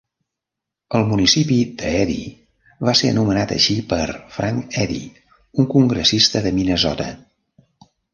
El municipi d'Eddy va ser anomenat així per Frank Eddy, un congressista de Minnesota.